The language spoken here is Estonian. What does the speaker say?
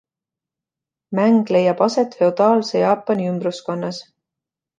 Mäng leiab aset feodaalse Jaapani ümbruskonnas.